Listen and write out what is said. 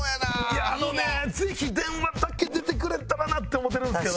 いやあのねぜひ電話だけ出てくれたらなって思うてるんですけど。